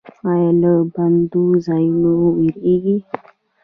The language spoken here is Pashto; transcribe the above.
ایا له بندو ځایونو ویریږئ؟